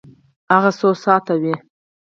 هغه څو ساعته وی؟